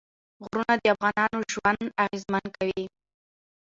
غرونه د افغانانو ژوند اغېزمن کوي.